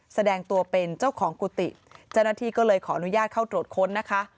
แสดงตัวเป็นเจ้าของกุฏิเจ้าหน้าที่ก็เลยขออนุญาตเข้าตรวจค้นนะคะ